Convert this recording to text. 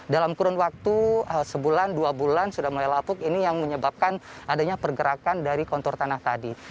dalam kurun waktu sebulan dua bulan sudah mulai lapuk ini yang menyebabkan adanya pergerakan dari kontur tanah tadi